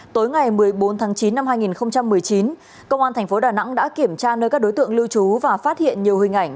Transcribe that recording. tối ngày một mươi bốn tháng chín năm hai nghìn một mươi chín công an thành phố đà nẵng đã kiểm tra nơi các đối tượng lưu trú và phát hiện nhiều hình ảnh